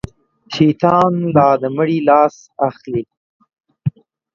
شيطان لا د مړي لاس اخلي.